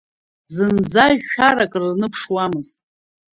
Зынӡа шәарак рныԥшуамызт.